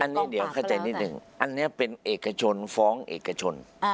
อันนี้เดี๋ยวเข้าใจนิดหนึ่งอันนี้เป็นเอกชนฟ้องเอกชน